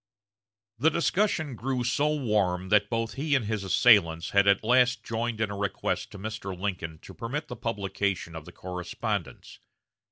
The discussion grew so warm that both he and his assailants at last joined in a request to Mr. Lincoln to permit the publication of the correspondence.